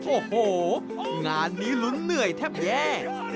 โอ้โหงานนี้ลุ้นเหนื่อยแทบแย่